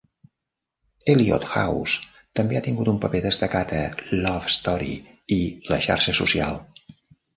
Eliot House també ha tingut un paper destacat a "Love Story" i "La xarxa social".